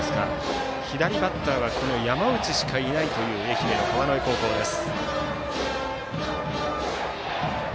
左バッターはこの山内しかいないという愛媛の川之江高校です。